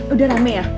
udah rame ya